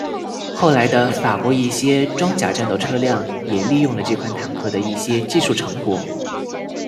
后来的法国一些装甲战斗车辆也利用了这款坦克的一些技术成果。